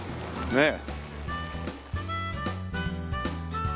ねえ。